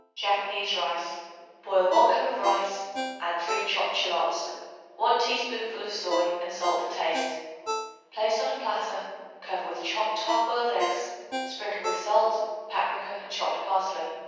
Japanese Rice. Boil 1 cup of rice; add 3 chopped shallots, 1 teaspoonful of soy and salt to taste. Place on a platter, cover with chopped hard boiled eggs, sprinkle with salt, paprica and chopped parsley.